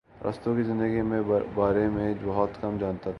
ارسطو کی زندگی کے بارے میں بہت کم جانا جاتا ہے